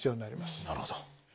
なるほど。